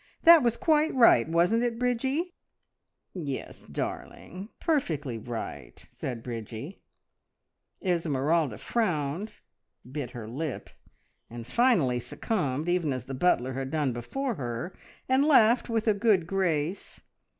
That was quite right, wasn't it, Bridgie?" "Yes, darling, perfectly right!" said Bridgie. Esmeralda frowned, bit her lip, and finally succumbed, even as the butler had done before her, and laughed with a good grace.